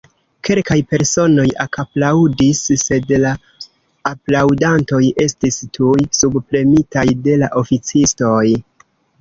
kelkaj personoj ekaplaŭdis, sed la aplaŭdantoj estis tuj subpremitaj de la oficistoj.